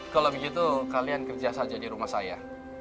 kalau begitu kalian kerja saja di rumah saya